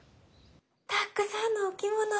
たくさんのお着物。